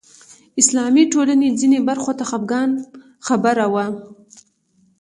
اسلامي ټولنې ځینو برخو ته خپګان خبره وه